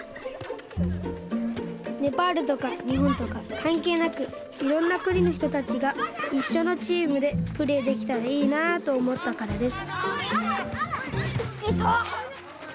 ネパールとかにほんとかかんけいなくいろんなくにのひとたちがいっしょのチームでプレーできたらいいなとおもったからです